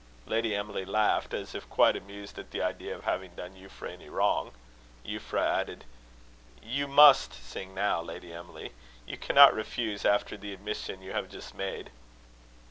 Lady Emily laughed, as if quite amused at the idea of having done Euphra any wrong. Euphra added: "You must sing now, Lady Emily. You cannot refuse, after the admission you have just made."